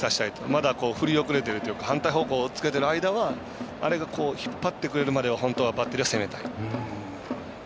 まだ振り遅れているというか反対方向、おっつけてあれが引っ張ってくれるまでは本当はバッテリーは攻めたい。